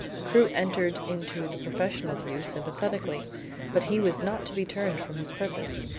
Crewe entered into the professional view sympathetically, but he was not to be turned from his purpose.